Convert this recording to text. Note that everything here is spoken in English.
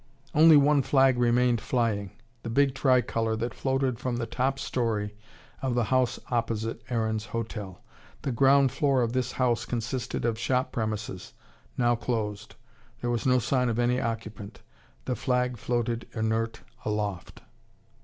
Only one flag remained flying the big tricolour that floated from the top storey of the house opposite Aaron's hotel. The ground floor of this house consisted of shop premises now closed. There was no sign of any occupant. The flag floated inert aloft.